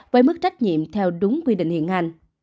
với mức trách nhiệm theo đúng quy định hiện hành